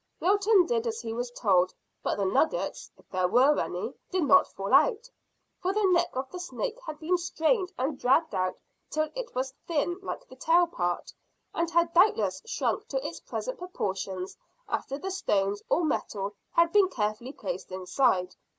Wilton did as he was told, but the nuggets if there were any did not fall out, for the neck of the snake had been strained and dragged out till it was thin like the tail part, and had doubtless shrunk to its present proportions after the stones or metal had been carefully placed inside.